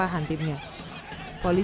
tidak ada yang menanggung